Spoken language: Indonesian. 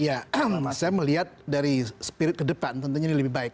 ya saya melihat dari spirit ke depan tentunya ini lebih baik